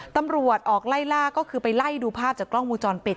ตำรวจออกไล่ล่าก็คือไปไล่ดูภาพจากกล้องวงจรปิด